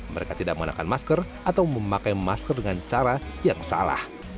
mereka tidak mengenakan masker atau memakai masker dengan cara yang salah